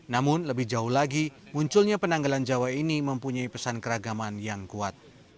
namun lebih jauh lagi munculnya penanggalan jawa ini mempunyai pesan keragaman yang kuat